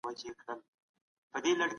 په ګډه څېړنې دقیقې او ګټورې دي.